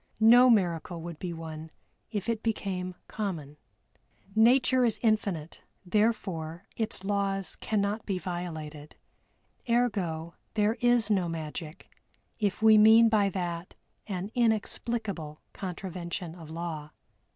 No miracle would be one if it became common. Nature is infinite, therefore its laws cannot be violated ergo, there is no magic if we mean by that an inexplicable contravention of law.